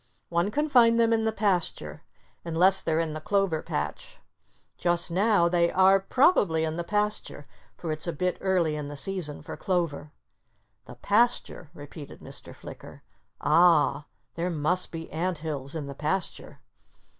"One can find them in the pasture, unless they're in the clover patch. Just now they are probably in the pasture, for it's a bit early in the season for clover." "The pasture!" repeated Mr. Flicker. "Ah! There must be ant hills in the pasture."